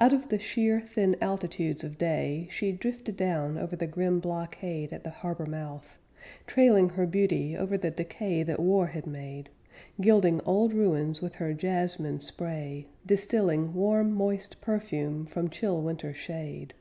Out of the sheer Thin altitudes of day She drifted down Over the grim blockade At the harbor mouth, Trailing her beauty over the decay That war had made, Gilding old ruins with her jasmine spray, Distilling warm moist perfume From chill winter shade.